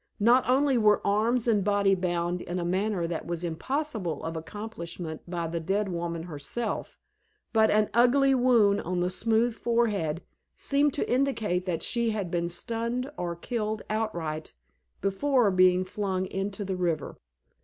Not only were arms and body bound in a manner that was impossible of accomplishment by the dead woman herself, but an ugly wound on the smooth forehead seemed to indicate that she had been stunned or killed outright before being flung into the river.